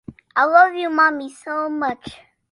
"If it moves, we probably made something on it," was his boast.